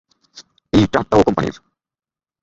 এই ট্রাকটাও কোম্পানির।